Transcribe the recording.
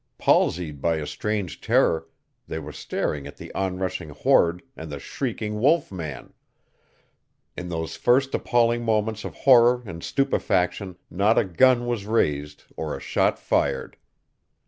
Palsied by a strange terror, they were staring at the onrushing horde and the shrieking wolf man. In those first appalling moments of horror and stupefaction not a gun was raised or a shot fired.